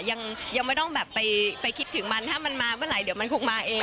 ยังไม่ต้องแบบไปคิดถึงมันถ้ามันมาเมื่อไหร่เดี๋ยวมันคงมาเอง